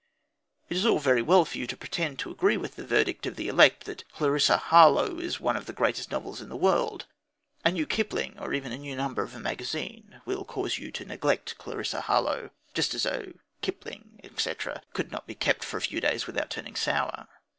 It is all very well for you to pretend to agree with the verdict of the elect that Clarissa Harlowe is one of the greatest novels in the world a new Kipling, or even a new number of a magazine, will cause you to neglect Clarissa Harlowe, just as though Kipling, etc., could not be kept for a few days without turning sour!